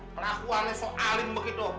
pelakuannya soalin begitu